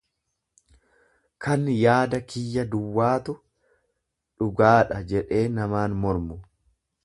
kan yaada kiyya duwwaatu dhugaadha jedhee namaan mormu.